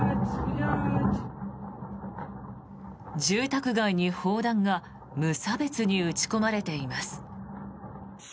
住宅街に砲弾が無差別に撃ち込まれています。